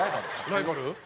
ライバル？